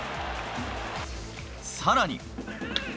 さらに。